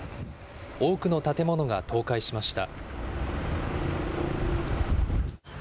多くの建物が倒壊しました。